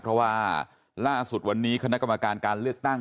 เพราะว่าล่าสุดวันนี้คณะกรรมการการเลือกตั้ง